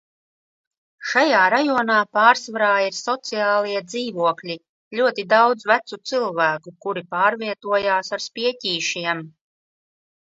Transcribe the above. Šajā rajonā pārsvarā ir sociālie dzīvokļi. Ļoti daudz vecu cilvēku, kuri pārvietojās ar spieķīšiem.